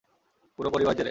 পুরো পরিবার জেলে।